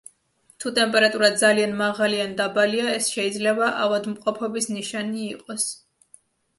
თუ ტემპერატურა ძალიან მაღალი ან დაბალია, ეს შეიძლება ავადმყოფობის ნიშანი იყოს.